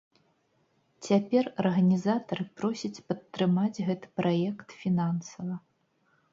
Цяпер арганізатары просяць падтрымаць гэты праект фінансава.